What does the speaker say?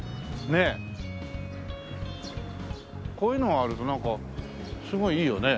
こういうのがあるとなんかすごいいいよね。